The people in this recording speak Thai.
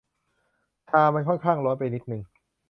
ชามันค่อนข้างร้อนไปนิดนึง